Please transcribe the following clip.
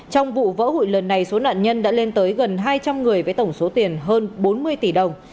trong vụ vỡ hụi lần này số nạn nhân đã lên tới gần hai trăm linh người với tổng số tiền hơn bốn mươi tỷ đồng